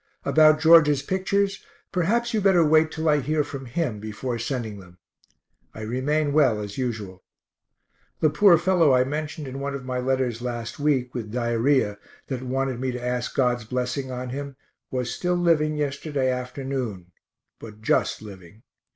About George's pictures, perhaps you better wait till I hear from him, before sending them. I remain well as usual. The poor fellow I mentioned in one of my letters last week, with diarrhoea, that wanted me to ask God's blessing on him, was still living yesterday afternoon, but just living.